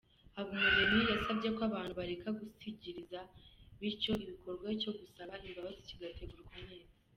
Habumuremyi yasabye ko abantu bareka « gusigiriza », bityo igikorwa cyo gusaba imbabazi kigategurwa neza.